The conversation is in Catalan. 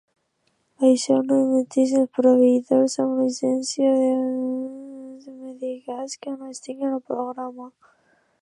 Això no eximeix als proveïdors amb llicència de autoreceptar-se medicaments que no estiguin al programa.